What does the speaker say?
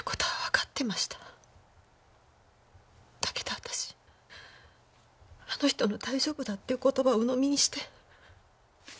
だけど私あの人の大丈夫だっていう言葉を鵜呑みにして。